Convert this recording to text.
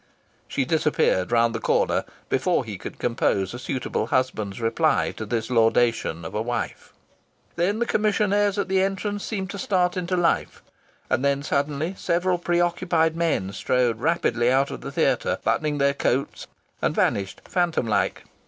She disappeared round the corner before he could compose a suitable husband's reply to this laudation of a wife. Then the commissionaires at the entrance seemed to start into life. And then suddenly several preoccupied men strode rapidly out of the theatre, buttoning their coats, and vanished phantom like....